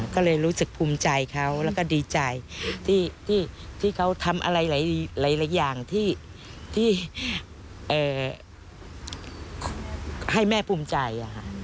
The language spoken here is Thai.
ก็เลยรู้สึกภูมิใจเขาแล้วก็ดีใจที่เขาทำอะไรหลายอย่างที่ให้แม่ภูมิใจ